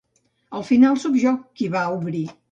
Al final sóc jo, qui va a obrir.